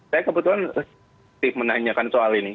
saya kebetulan menanyakan soal ini